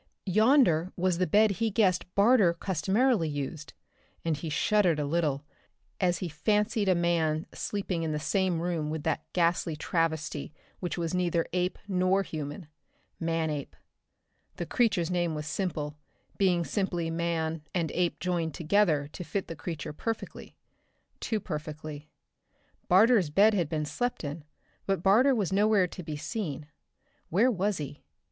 Yonder was the bed he guessed Barter customarily used, and he shuddered a little as he fancied a man sleeping in the same room with that ghastly travesty which was neither ape nor human Manape. The creature's name was simple, being simply "man" and "ape" joined together to fit the creature perfectly too perfectly. Barter's bed had been slept in, but Barter was nowhere to be seen. Where was he?